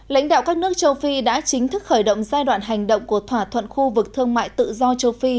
lãnh đạo các nước châu phi đã chính thức khởi động giai đoạn hành động của thỏa thuận khu vực thương mại tự do châu phi